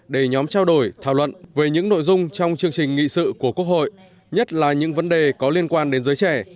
để nhóm trao đổi thảo luận về những nội dung trong chương trình nghị sự của quốc hội nhất là những vấn đề có liên quan đến giới trẻ